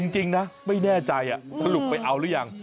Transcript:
จริงนะไม่แน่ใจสรุปไปเอาหรือยัง